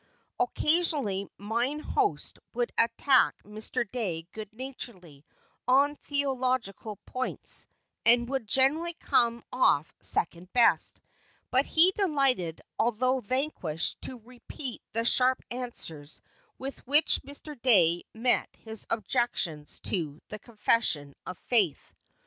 Occasionally "mine host" would attack Mr. Dey good naturedly on theological points, and would generally come off second best; but he delighted, although vanquished, to repeat the sharp answers with which Mr. Dey met his objections to the "Confession of Faith."